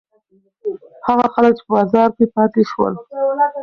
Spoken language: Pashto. هغه خلک چې په بازار کې پاتې شول.